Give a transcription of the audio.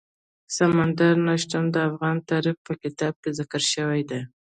سمندر نه شتون د افغان تاریخ په کتابونو کې ذکر شوی دي.